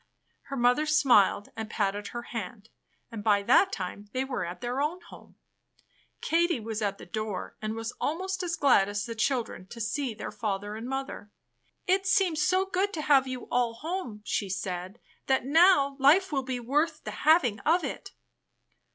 Her mother smiled and patted her hand, and by that time they were at their own home. Katie was at the door and was almost as glad as the children to see their father and mother. "It seems so good to have you aU home," she said, "that now life will be worth the hving of it."